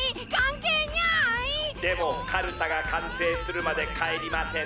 でもかるたがかんせいするまでかえりません！